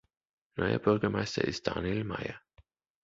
Neuer Bürgermeister ist Daniel Mayer.